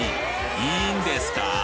いいんですか？